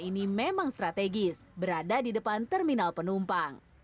ini memang strategis berada di depan terminal penumpang